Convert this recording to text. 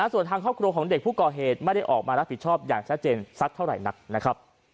ส่วนทางครอบครัวของเด็กผู้ก่อเหตุไม่ได้ออกมารับผิดชอบอย่างชัดเจนสักเท่าไหร่นักนะครับ